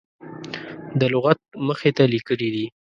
د لغت مخې ته لیکلي دي.